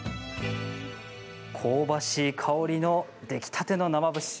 香ばしい香りの出来たての生節